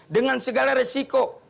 dengan segala resiko